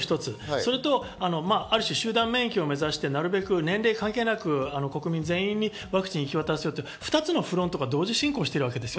それと、ある種、集団免疫を目指して、なるべく年齢関係なく国民全員にワクチンを行き渡らせる２つのフロントが同時進行している。